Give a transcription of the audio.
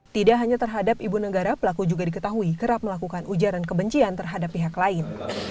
tidak hanya terhadap ibu negara pelaku juga diketahui kerap melakukan ujaran kebencian terhadap pihak lain